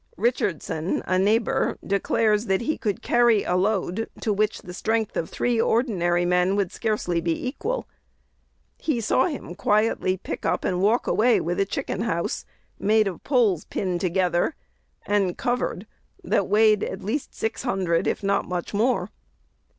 Richardson, a neighbor, declares that he could carry a load to which the strength of "three ordinary men" would scarcely be equal. He saw him quietly pick up and walk away with "a chicken house, made of poles pinned together, and covered, that weighed at least six hundred, if not much more."